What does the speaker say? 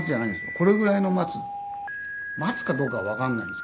これぐらいの松松かどうかはわかんないんですけども。